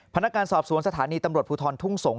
พนักงานสอบสวนสถานีตำรวจภูทรทุ่งสงศ